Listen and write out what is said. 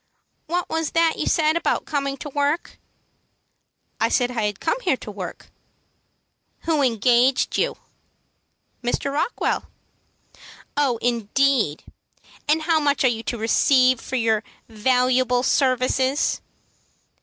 "What was that you said about coming to work?" "I said I had come here to work." "Who engaged you?" "Mr. Rockwell." "Oh, indeed! And how much are you to receive for your valuable services?"